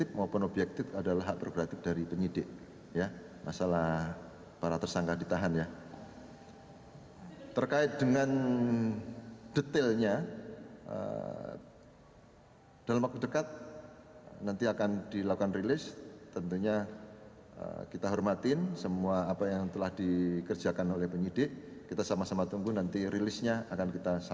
jadi kita sama sama tunggu nanti rilisnya akan kita sampaikan kepada rekan rekan